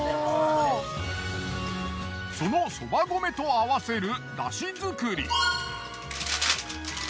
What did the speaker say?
そのそば米と合わせる出汁作り。